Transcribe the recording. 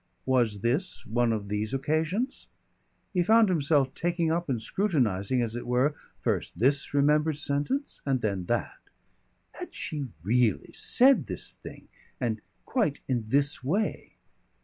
Was this one of these occasions? He found himself taking up and scrutinising, as it were, first this remembered sentence and then that. Had she really said this thing and quite in this way?